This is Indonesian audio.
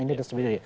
ini dan sebagainya